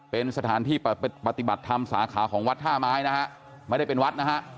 เป็นสถานที่ปฏิบัติธรรมสาขาของวัดท่าไม้นะฮะไม่ได้เป็นวัดนะฮะ